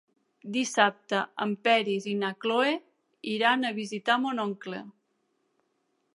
Dissabte en Peris i na Cloè iran a visitar mon oncle.